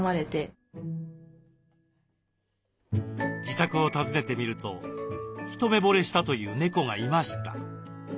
自宅を訪ねてみると一目ぼれしたという猫がいました。